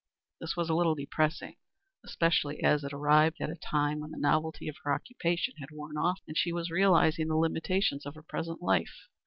This was a little depressing, especially as it arrived at a time when the novelty of her occupation had worn off and she was realizing the limitations of her present life.